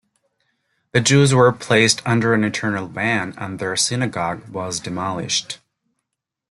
The Jews were placed under an "eternal ban" and their synagogue was demolished.